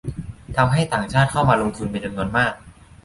ทำให้ต่างชาติเข้ามาลงทุนเป็นจำนวนมาก